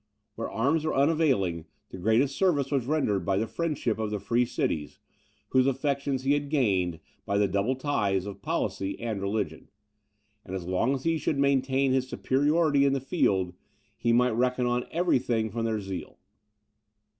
Where arms were unavailing, the greatest service was rendered by the friendship of the free cities, whose affections he had gained, by the double ties of policy and religion; and, as long as he should maintain his superiority in the field, he might reckon on every thing from their zeal.